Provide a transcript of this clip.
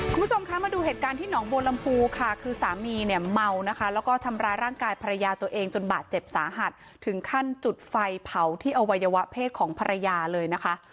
คุณผู้ชมคะมาดูเหตุการณ์ที่หนองบัวลำพูค่ะคือสามีเนี่ยเมานะคะแล้วก็ทำร้ายร่างกายภรรยาตัวเองจนบาดเจ็บสาหัสถึงขั้นจุดไฟเผาที่อวัยวะเพศของภรรยาเลยนะคะ